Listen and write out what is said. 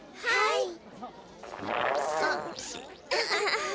はい！